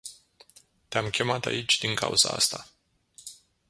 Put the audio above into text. Te-am chemat aici din cauza asta.